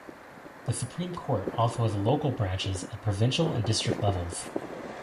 The Supreme Court also has local branches at provincial and district levels.